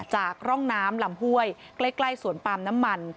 จากร่องน้ำลำห้วยใกล้สวนปาล์มน้ำมัน